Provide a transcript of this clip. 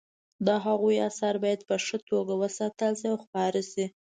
د هغوی اثار باید په ښه توګه وساتل شي او خپاره شي